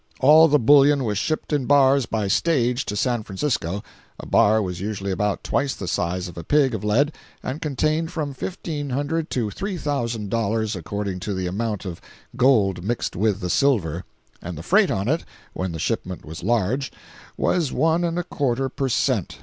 All the bullion was shipped in bars by stage to San Francisco (a bar was usually about twice the size of a pig of lead and contained from $1,500 to $3,000 according to the amount of gold mixed with the silver), and the freight on it (when the shipment was large) was one and a quarter per cent.